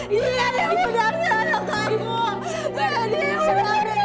dia yang udah ambil anak aku